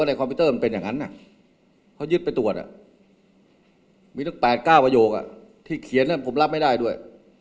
คอมพิวเตอร์มันเป็นอย่างนั้นเขายึดไปตรวจมีตั้ง๘๙ประโยคที่เขียนผมรับไม่ได้ด้วย